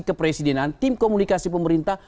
kepresidenan tim komunikasi pemerintah